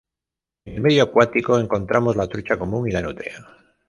En el medio acuático encontramos la trucha común y la nutria.